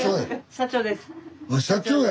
社長や。